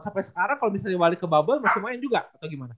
sampai sekarang kalau bisa dibalik ke bubble masih main juga atau gimana